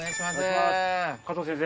加藤先生